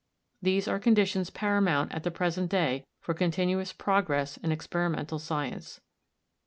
These are conditions paramount at the present day for continuous progress in experimental science.